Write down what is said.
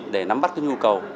để nắm bắt những nhu cầu